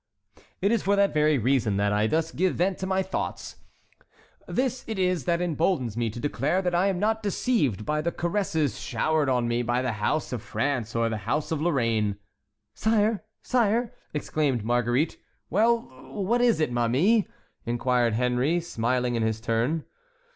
"It is for that very reason that I thus give vent to my thoughts; this it is that emboldens me to declare that I am not deceived by the caresses showered on me by the House of France or the House of Lorraine." "Sire, sire!" exclaimed Marguerite. "Well, what is it, ma mie?" inquired Henry, smiling in his turn.